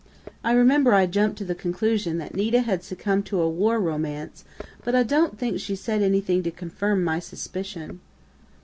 I remember I jumped to the conclusion that Nita had succumbed to a war romance, but I don't think she said anything to confirm my suspicion."